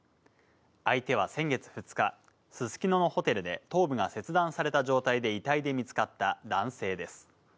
相手は先月２日、すすきののホテルで頭部が切断された状態で遺体で見つかった男性です。